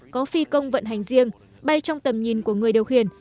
có phi công vận hành riêng bay trong tầm nhìn của người điều khiển